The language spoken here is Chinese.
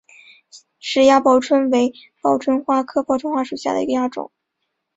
石岩报春为报春花科报春花属下的一个亚种。